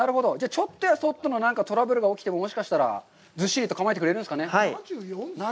ちょっとやそっとのトラブルが起きても、もしかしたらずっしり構えてくれるんですかね。